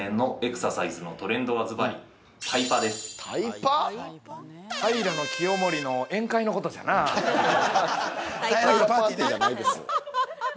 ◆タイラパーティーじゃないです。